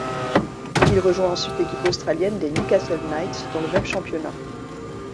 Il rejoint ensuite l'équipe australienne des Newcastle Knights dans le même championnat.